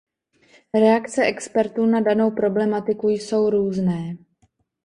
Reakce expertů na danou problematiku jsou různé.